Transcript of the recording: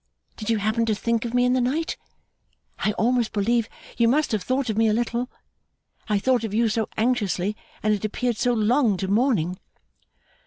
Did you happen to think of me in the night? I almost believe you must have thought of me a little. I thought of you so anxiously, and it appeared so long to morning.